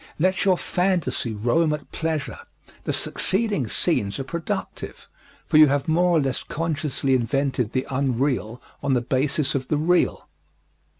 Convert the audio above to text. Let your fantasy roam at pleasure the succeeding scenes are productive, for you have more or less consciously invented the unreal on the basis of the real.